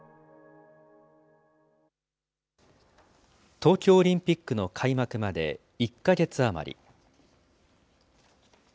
東京オリンピックの開幕まで、１か月余り。